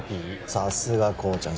さすが紘ちゃん